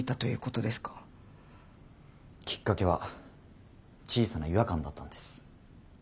きっかけは小さな違和感だったんです。